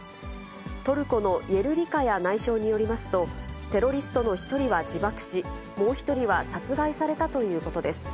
トルコのイェルリカヤ内相によりますと、テロリストの１人は自爆し、もう１人は殺害されたということです。